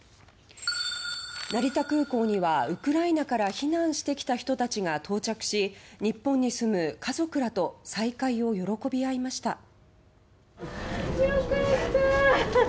成田空港には、ウクライナから避難してきた人たちが到着し日本に住む家族らと再会を喜び合いました。